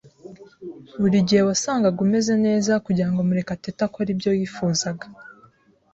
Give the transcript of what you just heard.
Buri gihe wasangaga umeze neza kugirango Murekatete akore ibyo wifuzaga.